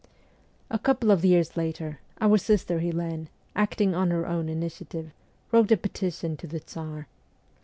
A couple of years later, our sister Helene, acting on her own initiative, wrote a petition to the Tsar.